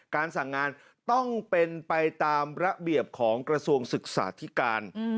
สั่งงานต้องเป็นไปตามระเบียบของกระทรวงศึกษาธิการ